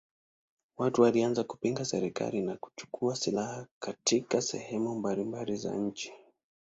Watu walianza kupinga serikali na kuchukua silaha katika sehemu mbalimbali za nchi.